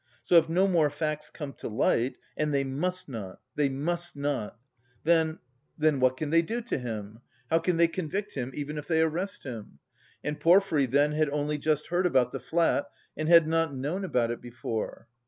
So if no more facts come to light (and they must not, they must not!) then... then what can they do to him? How can they convict him, even if they arrest him? And Porfiry then had only just heard about the flat and had not known about it before.